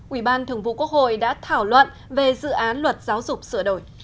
ủy ban thường vụ quốc hội đã thảo luận về dự án luật giáo dục sửa đổi